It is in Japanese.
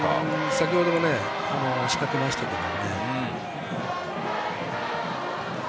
先程も仕掛けましたけど。